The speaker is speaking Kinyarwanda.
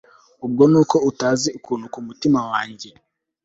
ubwo nuko utazi ukuntu kumutima wanjye